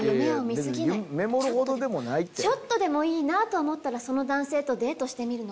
ちょっとでもいいなと思ったらその男性とデートしてみるの。